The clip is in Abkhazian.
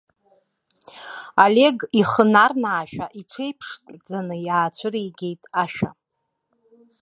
Олег, ихы нарнаашәа, иҽеиԥштәӡаны иаацәыригеит ашәа.